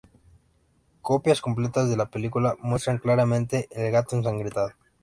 Copias completas de la película muestran claramente el gato ensangrentado